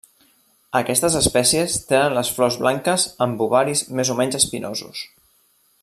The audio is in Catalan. Aquestes espècies tenen les flors blanques amb ovaris més o menys espinosos.